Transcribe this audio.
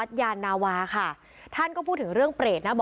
สวัสดีครับ